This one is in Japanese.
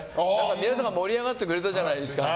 皆さんが盛り上がってくれたじゃないですか。